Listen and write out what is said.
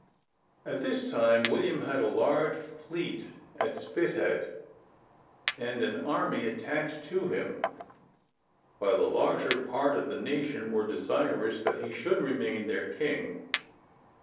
At this time William had a large fleet at Spithead, and an army attached to him, while the larger part of the nation were desirous that he should remain their king.